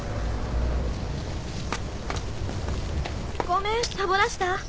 ごめんサボらした？